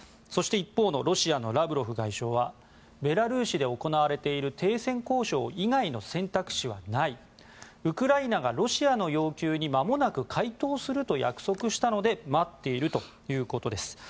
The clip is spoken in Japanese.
そして一方のロシアのラブロフ外相はベラルーシで行われている停戦交渉以外の選択肢はないウクライナがロシアの要求にまもなく回答すると約束したので待っているということです。